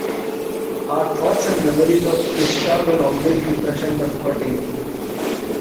Our thoughts and memories of Christa will always be fresh and comforting.